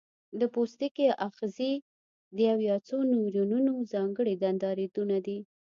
د پوستکي آخذې د یو یا څو نیورونونو ځانګړي دندرایدونه دي.